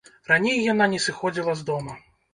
Раней яна не сыходзіла з дома.